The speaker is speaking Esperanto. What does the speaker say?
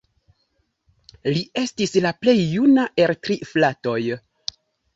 Li estis la plej juna el tri fratoj.